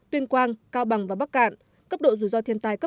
tuyên quang cao bằng và bắc cạn cấp độ rủi ro thiên tài cấp một